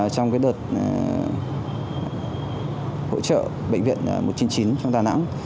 trong đợt hỗ trợ bệnh viện một trăm chín mươi chín trong đà nẵng